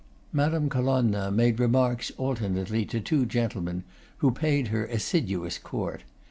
Madame Colonna made remarks alternately to two gentlemen, who paid her assiduous court.